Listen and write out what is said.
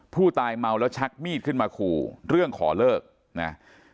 ผู้ตายเมาแล้วชักมีดขึ้นมาขู่เรื่องขอเลิกนะ